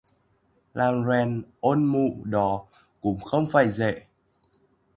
Làm rẹn ôn mụ đó cũng không phải dễ